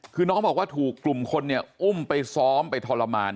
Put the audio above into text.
คือน้องบอกว่าถูกกลุ่มคนเนี่ยอุ้มไปซ้อมไปทรมาน